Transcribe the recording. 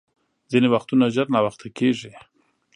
ځیني وختونه ژر ناوخته کېږي .